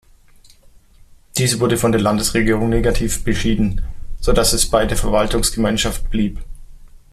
Dies wurde von der Landesregierung negativ beschieden, so dass es bei der Verwaltungsgemeinschaft blieb.